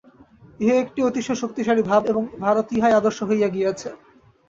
ইহা একটি অতিশয় শক্তিশালী ভাব, এবং ভারতে ইহাই আদর্শ হইয়া গিয়াছে।